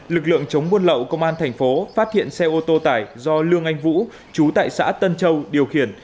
lực lượng chống buôn lậu công an thành phố phát hiện xe ô tô tải do lương anh vũ chú tại xã tân châu điều khiển